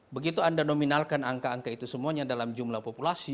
begitu anda nominalkan angka angka itu semuanya dalam jumlah populasi